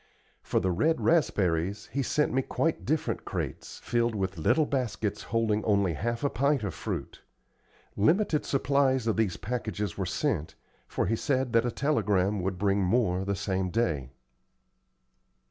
For the red raspberries he sent me quite different crates, filled with little baskets holding only half a pint of fruit. Limited supplies of these packages were sent, for he said that a telegram would bring more the same day.